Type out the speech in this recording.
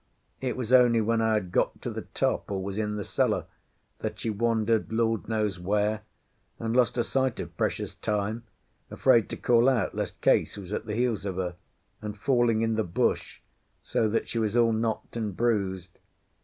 It was only when I had got to the top or was in the cellar that she wandered Lord knows where! and lost a sight of precious time, afraid to call out lest Case was at the heels of her, and falling in the bush, so that she was all knocked and bruised.